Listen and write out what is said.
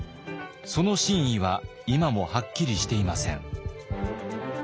その真意は今もはっきりしていません。